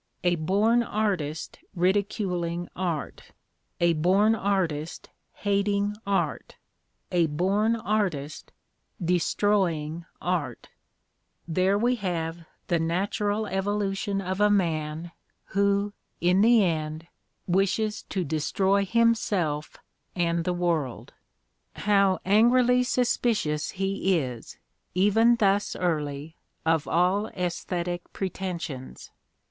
A born artist ridiculing art, a bom artist hating art, a born artist destroying art^ — there we have the natural evolu Mustered Out 259 tion of a man who, in the end, wishes to destroy himself and the world. How angrily suspicious he is, even thus j early, of all aesthetic pretensions